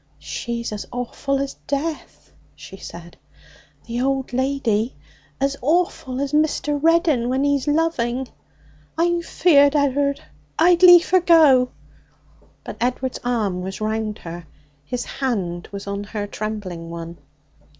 'She's as awful as death,' she said, 'the old lady. As awful as Mr. Reddin when he's loving. I'm feared, Ed'ard! I'd liefer go.' But Edward's arm was round her. His hand was on her trembling one.